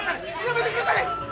やめてくだされ！